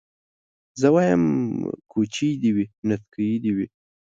زه وايم کوچۍ دي وي نتکۍ دي وي